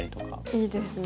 いいですね。